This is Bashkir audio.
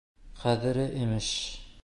— Ҡәҙере, имеш!